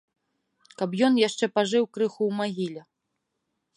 Каб ён яшчэ пажыў крыху ў магіле.